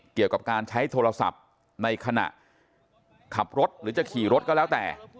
เกี่ยวกับการใช้โทรศัพท์ในขณะขับรถหรือจะขี่รถก็แล้วแต่